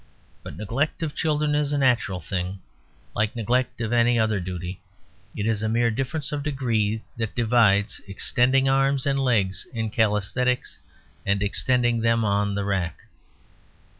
But neglect of children is a natural thing; like neglect of any other duty, it is a mere difference of degree that divides extending arms and legs in calisthenics and extending them on the rack.